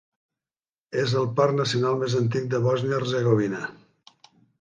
És el parc nacional més antic de Bòsnia Hercegovina.